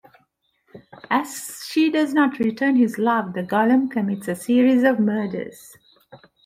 As she does not return his love, the golem commits a series of murders.